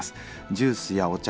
ジュースやお茶